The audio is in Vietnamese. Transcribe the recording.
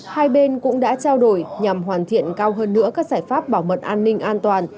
hai bên cũng đã trao đổi nhằm hoàn thiện cao hơn nữa các giải pháp bảo mật an ninh an toàn